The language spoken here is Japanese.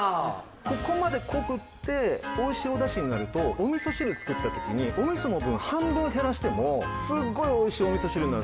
ここまで濃くておいしいお出汁になるとおみそ汁作った時におみその分半分減らしてもすごいおいしいおみそ汁になる。